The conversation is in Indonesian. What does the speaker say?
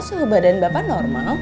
suhu badan bapak normal